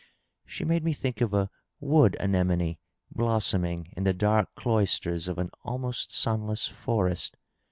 She made me think of a wood anemone blossoming in the dark cloisters of an almost sunless forest.